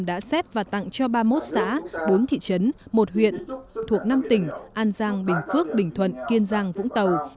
đã xét và tặng cho ba mươi một xã bốn thị trấn một huyện thuộc năm tỉnh an giang bình phước bình thuận kiên giang vũng tàu